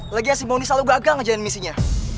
legiasi mondi selalu gagal ngejalanin misinya